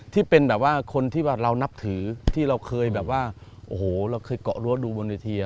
ที่เป็นแบบว่าคนที่ว่าเรานับถือที่เราเคยแบบว่าโอ้โหเราเคยเกาะรั้วดูบนเวที